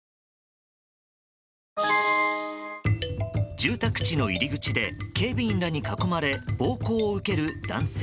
住宅地の入り口で警備員に囲まれ暴行を受ける男性。